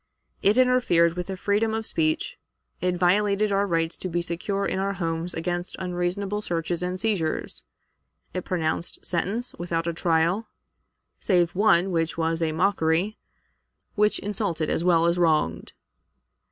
It interfered with the freedom of speech; it violated our rights to be secure in our homes against unreasonable searches and seizures; it pronounced sentence without a trial, save one which was a mockery, which insulted as well as wronged.